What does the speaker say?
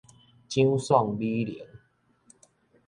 蔣宋美齡